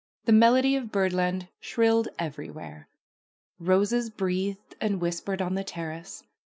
The melody of bird! and shrilled everywhere. Roses breathed and whispered on the terrace.